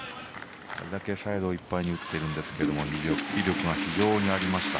サイドいっぱいに打っているんですけども威力が非常にありました。